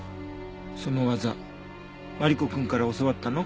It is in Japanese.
その技マリコくんから教わったの？